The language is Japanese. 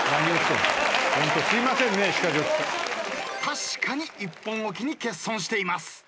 確かに１本置きに欠損しています。